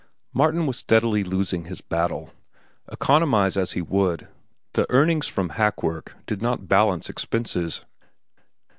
Martin was steadily losing his battle. Economize as he would, the earnings from hack work did not balance expenses.